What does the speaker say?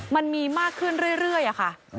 มันมีมากขึ้นเรื่อยค่ะ